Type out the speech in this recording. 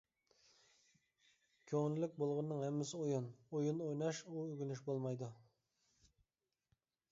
كۆڭۈللۈك بولغىنىنىڭ ھەممىسى ئويۇن، ئويۇن ئويناش ئۇ ئۆگىنىش بولمايدۇ.